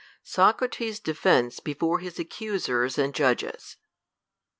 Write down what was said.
Socrates' Defence before his Accusers and Judges.